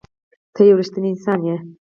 ته یو رښتنی انسان یې.